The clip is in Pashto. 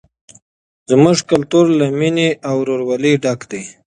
زموږ کلتور له مینې او ورورولۍ ډک دی.